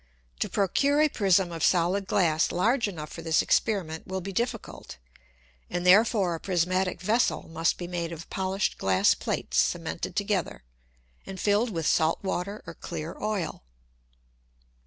To procure a Prism of solid Glass large enough for this Experiment will be difficult, and therefore a prismatick Vessel must be made of polish'd Glass Plates cemented together, and filled with salt Water or clear Oil.